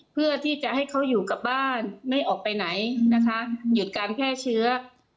เพื่อที่จะให้เขาอยู่กับบ้านไม่ออกไปไหนนะคะหยุดการแพร่เชื้อ